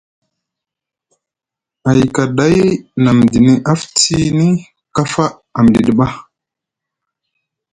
A yika day na midini aftini kafa a miɗiɗi ɓa.